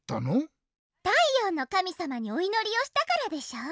たいようのかみさまにおいのりをしたからでしょ。